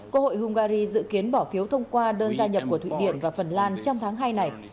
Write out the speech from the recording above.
quốc hội hungary dự kiến bỏ phiếu thông qua đơn gia nhập của thụy điển và phần lan trong tháng hai này